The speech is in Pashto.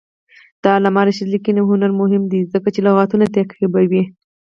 د علامه رشاد لیکنی هنر مهم دی ځکه چې لغتونه تعقیبوي.